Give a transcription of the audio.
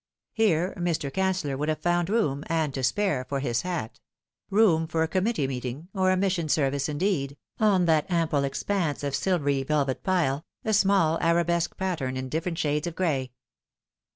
Here Mr. Can cellor would have found room, and to spare, for his hat room for a committee meeting, or a mission service, indeed on that ample expanse of silvery velvet pile, a small arabesque pattern in different shades of gray.